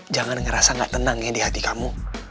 jangan ngerasa gak tenang ya di hati kamu